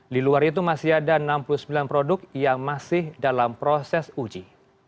di luar itu masih ada enam puluh sembilan produk yang masih dalam proses uji